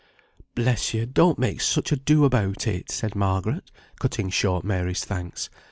"Bless you! don't make such ado about it," said Margaret, cutting short Mary's thanks.